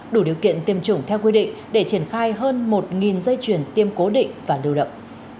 đủ điều kiện tiêm chủng theo quy định để triển khai hơn một dây chuyển tiêm cố định và điều động